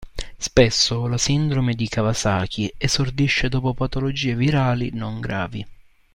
Spesso la sindrome di Kawasaki esordisce dopo patologie virali non gravi.